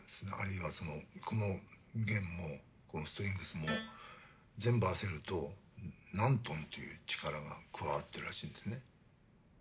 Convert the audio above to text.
中にはこの弦もこのストリングスも全部合わせると何トンという力が加わってるらしいんですね。